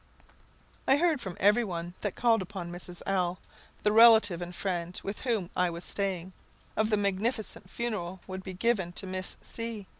I heard from every one that called upon Mrs. L , the relative and friend with whom I was staying, of the magnificent funeral would be given to Miss C